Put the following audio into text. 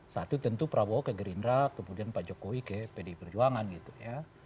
satu tentu prabowo ke gerindra kemudian pak jokowi ke pdi perjuangan gitu ya